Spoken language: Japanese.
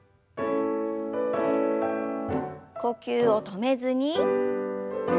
呼吸を止めずに。